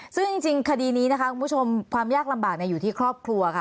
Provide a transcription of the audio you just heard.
ซึ่งจริงคดีนี้นะคะคุณผู้ชมความยากลำบากอยู่ที่ครอบครัวค่ะ